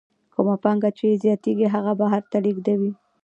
کومه پانګه یې چې زیاتېږي هغه بهر ته لېږدوي